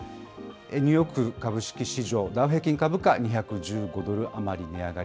ニューヨーク株式市場、ダウ平均株価、２１５ドル余り値上がり。